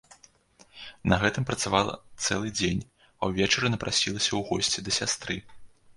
На гэтым працавала цэлы дзень, а ўвечары напрасілася ў госці да сястры.